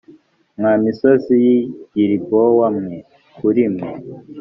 mwa misozi y i gilibowa mwe kuri mwe